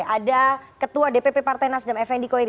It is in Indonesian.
ada ketua dpp partai nasdem fnd koiri